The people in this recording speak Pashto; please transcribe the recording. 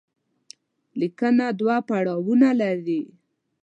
ليکنه دوه پړاوونه لري.